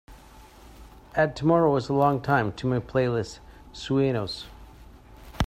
Add Tomorrow Is a Long Time to my playlist Sueños